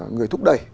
người thúc đẩy